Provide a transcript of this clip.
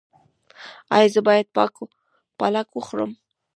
ایا زه باید پالک وخورم؟